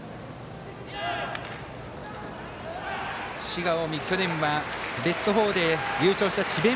滋賀・近江、去年はベスト４で優勝した智弁